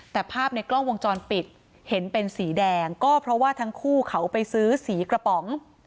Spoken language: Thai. แต่ภาพในกล้องวงจรปิดเห็นเป็นสีแดงก็เพราะว่าทั้งคู่เขาไปซื้อสีกระป๋อง